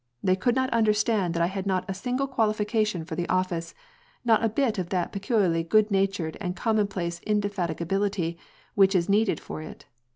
They could not understand that I had not a single quali fication for the office, not a bit of that peculiarly good natured and commonplace indefatigability which is needed for it.